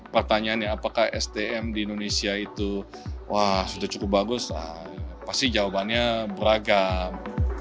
pertanyaannya apakah sdm di indonesia itu wah sudah cukup bagus pasti jawabannya beragam